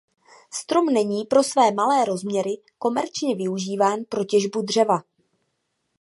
Strom není pro své malé rozměry komerčně využíván pro těžbu dřeva.